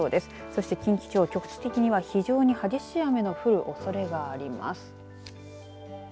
そして近畿地方、局地的には非常に激しい雨の降るおそれがあります。